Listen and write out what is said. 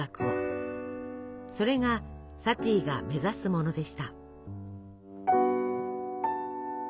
それがサティが目指すものでした。